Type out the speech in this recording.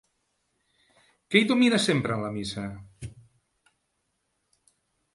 Què hi domina sempre en la missa?